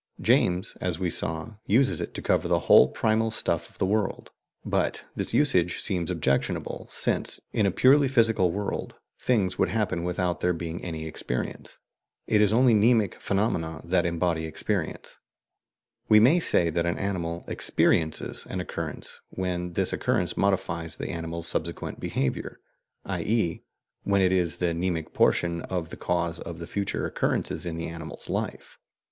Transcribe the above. James, as we saw, uses it to cover the whole primal stuff of the world, but this usage seems objection able, since, in a purely physical world, things would happen without there being any experience. It is only mnemic phenomena that embody experience. We may say that an animal "experiences" an occurrence when this occurrence modifies the animal's subsequent behaviour, i.e. when it is the mnemic portion of the cause of future occurrences in the animal's life.